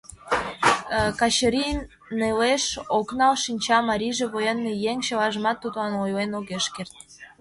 Качырий нелеш ок нал, шинча, марийже военный еҥ, чылажым тудлан ойлен огеш керт.